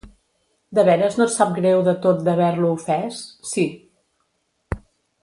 —De veres no et sap greu de tot d’haver-lo ofès? —Sí.